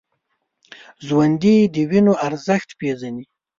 ژوندي د وینو ارزښت پېژني